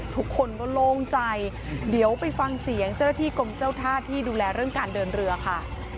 ทุกคนก็โล่งใจเดี๋ยวไปฟังเสียงเจ้าหน้าที่กรมเจ้าท่าที่ดูแลเรื่องการเดินเรือค่ะ